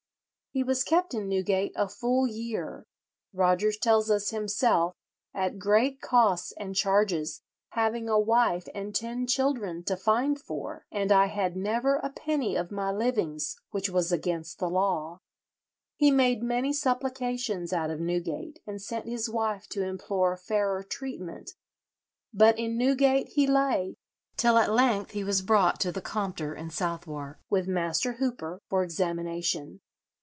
He was kept in Newgate "a full year," Rogers tells us himself, "at great costs and charges, having a wife and ten children to find for; and I had never a penny of my livings, which was against the law." He made "many supplications" out of Newgate, and sent his wife to implore fairer treatment; but in Newgate he lay, till at length he was brought to the Compter in Southwark, with Master Hooper, for examination.